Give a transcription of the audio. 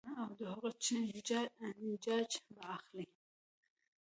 او د هغې جاج به اخلي -